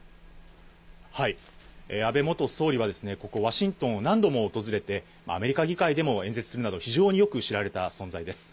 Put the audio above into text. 安倍元総理はここワシントンを何度も訪れて、アメリカ議会でも演説するなど、非常によく知られた存在です。